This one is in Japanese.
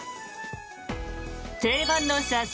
定番の写真